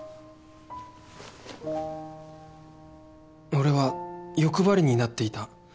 俺は欲張りになっていた